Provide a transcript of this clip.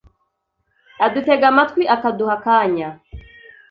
adutega amatwi akaduha akanya